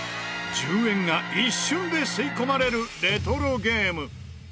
１０円が一瞬で吸い込まれるレトロゲーム。